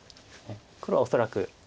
黒は恐らく。